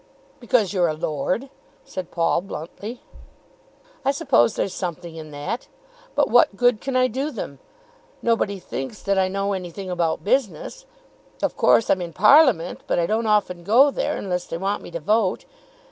"Because you're a lord," said Paul bluntly. "I suppose there's something in that. But what good can I do them? Nobody thinks that I know anything about business. Of course I'm in Parliament, but I don't often go there unless they want me to vote.